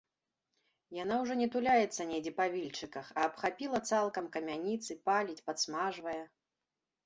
Яно ўжо не туляецца недзе па вільчыках, а абхапіла цалком камяніцы, паліць, падсмажвае.